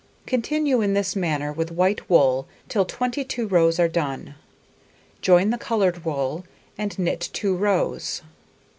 Continue in this manner with white wool till 22 rows are done. Join the coloured wool and knit 2 rows.